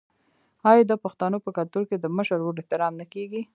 آیا د پښتنو په کلتور کې د مشر ورور احترام نه کیږي؟